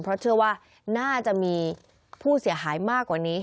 เพราะเชื่อว่าน่าจะมีผู้เสียหายมากกว่านี้